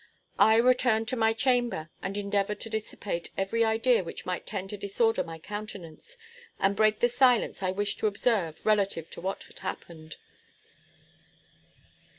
I returned to my chamber, and endeavored to dissipate every idea which might tend to disorder my countenance, and break the silence I wished to observe relative to what had happened.